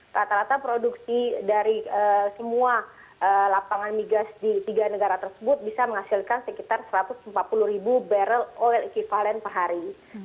rata rata produksi dari semua lapangan migas di tiga negara tersebut bisa menghasilkan sekitar satu ratus empat puluh ribu barrel oil equivalent per hari